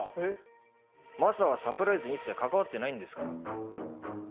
マサはサプライズに一切関わってないんですから。